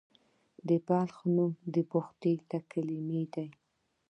د بلخ نوم د بخدي له کلمې دی